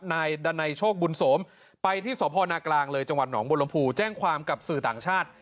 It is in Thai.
นายดันัยโชคบุญโสมไปที่สพนากลางเลยจังหวัดหนองบุรมภูแจ้งความกับสื่อต่างชาติ